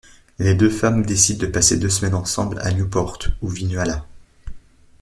Les deux femmes décident de passer deux semaines ensemble à Newport où vit Nuala.